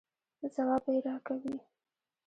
ځواب به یې راکوئ.